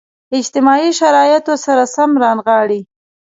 اجتماعي شرایطو سره سم رانغاړي.